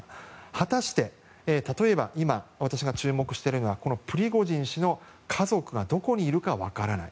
果たして、例えば今私が注目しているのはこのプリゴジン氏の家族がどこにいるか分からない。